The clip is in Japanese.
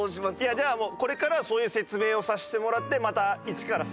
じゃあもうこれからはそういう説明をさせてもらってまた一からスタート。